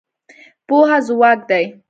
پوهه ځواک دی.